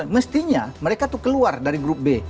mestinya mereka tuh keluar dari grup b